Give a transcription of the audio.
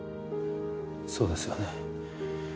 そうですよね。